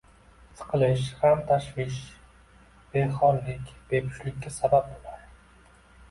Siqilish, g‘am-tashvish, behollik bepushtlikka sabab bo‘ladi.